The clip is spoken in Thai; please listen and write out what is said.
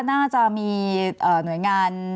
น่าจะมีหน่วยงาน